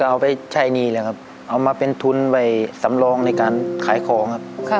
เอามาช่ายนี้เอามาเป็นทุนสำรองในการขายของ